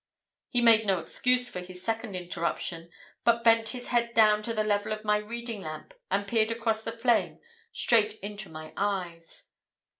He made no excuse for his second interruption, but bent his head down to the level of my reading lamp and peered across the flame straight into my eyes.